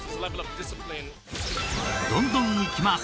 どんどんいきます。